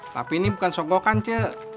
tapi ini bukan sokokan cuy